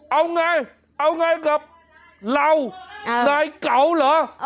เอาไงเอาไงกับเราเออนายเก๋าเหรอเอ้ย